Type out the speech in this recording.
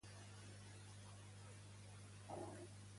D'acord amb Polibi, on van haver de salvaguardar-se els doris?